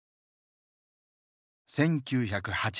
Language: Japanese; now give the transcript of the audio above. １９８６年。